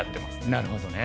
なるほどね。